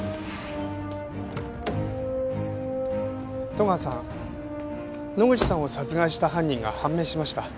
戸川さん野口さんを殺害した犯人が判明しました。